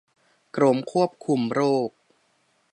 กรมควบคุมโรค